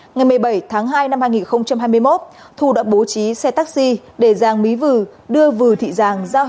ngày một mươi bảy tháng hai năm hai nghìn hai mươi một thu đã bố trí xe taxi để giang mí vừ đưa vừ thị giang ra huyện vị xuyên